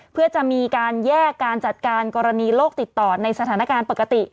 เพื่อจะมีการแยกการจัดการกรณีโลกติดต่อในสถานการณ์ปกติ